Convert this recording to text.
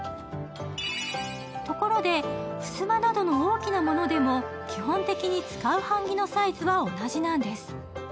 ところで、ふすまなどの大きなものでも、基本的に使う版木のサイズは同じなんです。